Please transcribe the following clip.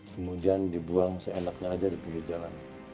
kemudian dibuang seenaknya aja di pinggir jalan